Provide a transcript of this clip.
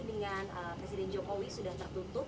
dengan presiden jokowi sudah tertutup